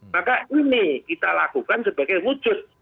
maka ini kita lakukan sebagai wujud